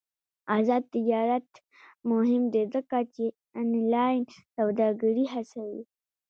آزاد تجارت مهم دی ځکه چې آنلاین سوداګري هڅوي.